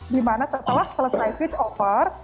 di mana setelah selesai fit over